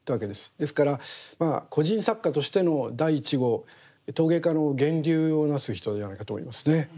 ですからまあ個人作家としての第１号陶芸家の源流をなす人じゃないかと思いますね。